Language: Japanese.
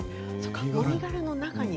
もみ殻の中に。